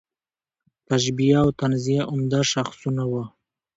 تشبیه او تنزیه عمده شاخصونه وو.